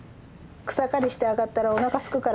草刈りして上がったらおなかすくからね。